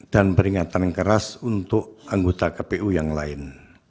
dan peringatan keras untuk anggota kpu yang lain